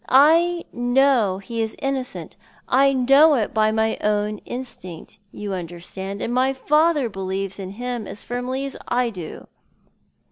1 know he is inno cent — know it by my own instinct, you understand— and my father believes in him as firmly as I do.